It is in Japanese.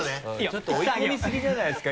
ちょっと追い込みすぎじゃないですか？